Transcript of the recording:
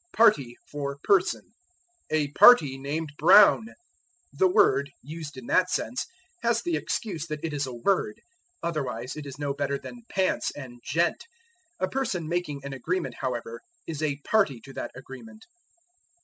Party for Person. "A party named Brown." The word, used in that sense, has the excuse that it is a word. Otherwise it is no better than "pants" and "gent." A person making an agreement, however, is a party to that agreement.